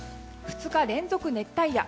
２日連続熱帯夜。